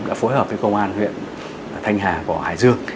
đã phối hợp với công an huyện thanh hà của hải dương